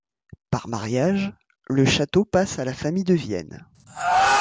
Par mariage, le château passe à la famille de Vienne.